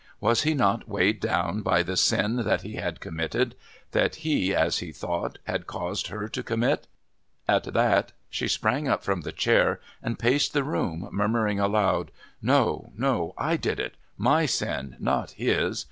Was he not weighed down by the sin that he had committed, that he, as he thought, had caused her to commit?...At that she sprang up from the chair and paced the room, murmuring aloud: "No, no, I did it. My sin, not his.